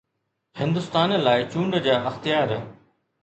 هندستان لاء چونڊ جا اختيار